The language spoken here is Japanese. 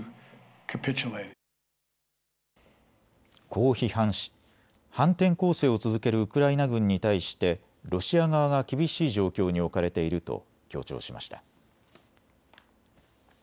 こう批判し、反転攻勢を続けるウクライナ軍に対してロシア側が厳しい状況に置かれていると強調しました。